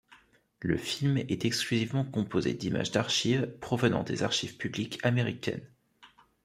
Le film est exclusivement composé d’images d’archives provenant des archives publiques américaines.